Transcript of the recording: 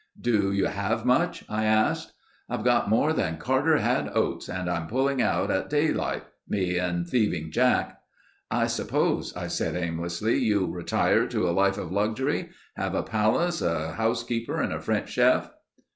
"Do you have much?" I asked. "I've got more than Carter had oats, and I'm pulling out at daylight. Me and Thieving Jack." "I suppose," I said aimlessly, "you'll retire to a life of luxury; have a palace, a housekeeper, and a French chef."